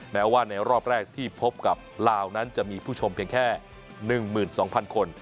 แม้ว่าในรอบแรกที่พบกับลาวนั้นจะมีผู้ชมเพียงแค่๑๒๐๐คน